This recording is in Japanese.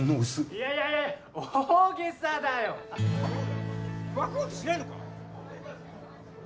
いやいやいや大げさだよワクワクしないのか？